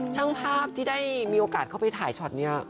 ช่างภาพที่ได้มีโอกาสเข้าไปถ่ายช็อตนี้